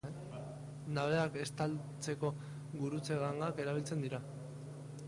Nabeak estaltzeko gurutze-gangak erabiltzen dira.